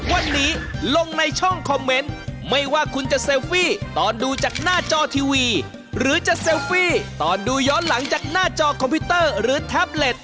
วันนี้ลงในช่องคอมเมนต์ไม่ว่าคุณจะเซลฟี่ตอนดูจากหน้าจอทีวีหรือจะเซลฟี่ตอนดูย้อนหลังจากหน้าจอคอมพิวเตอร์หรือแท็บเล็ต